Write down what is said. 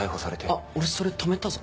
あっ俺それ止めたぞ。